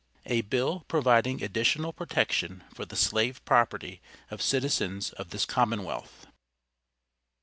A BILL PROVIDING ADDITIONAL PROTECTION FOR THE SLAVE PROPERTY OF CITIZENS OF THIS COMMONWEALTH.